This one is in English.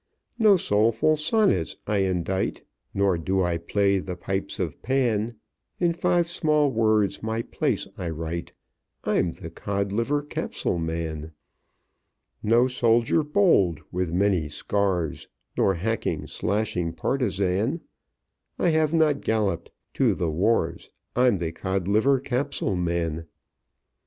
"No soulful sonnets I indite, Nor do I play the pipes of Pan; In five small words my place I write I'm the Codliver Capsule Man. "No soldier bold, with many scars, Nor hacking, slashing partisan; I have not galloped to the wars I'm the Codliver Capsule Man.